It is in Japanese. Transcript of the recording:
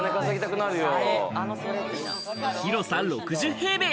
広さ６０平米！